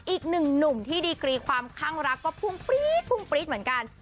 อีกนึงหนุ่มที่ดีกรีความขั้งรักก็พุ่งปรี๊ดเหมือนกัน